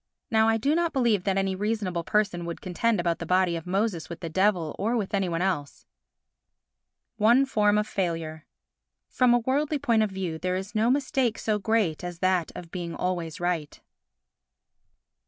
Now, I do not believe that any reasonable person would contend about the body of Moses with the devil or with any one else. One Form of Failure From a worldly point of view there is no mistake so great as that of being always right.